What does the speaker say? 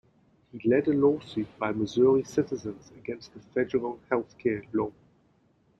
He led a lawsuit by Missouri citizens against the federal healthcare law.